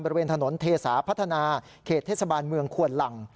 บริเวณถนนเทสาพัฒนาเขตเทศบาลเมืองควนหลัง